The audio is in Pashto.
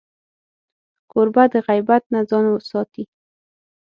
کوربه د غیبت نه ځان ساتي.